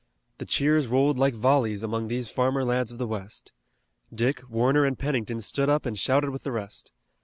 The cheers rolled like volleys among these farmer lads of the West. Dick, Warner and Pennington stood up and shouted with the rest.